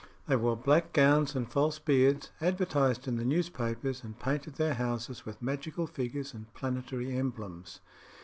They wore black gowns and false beards, advertised in the newspapers, and painted their houses with magical figures and planetary emblems.